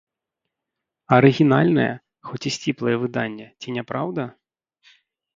Арыгінальнае, хоць і сціплае выданне, ці не праўда?